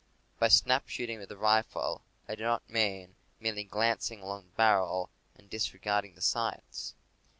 By snap shooting with the rifle I do not mean merely glancing along the barrel and disregard ing the sights.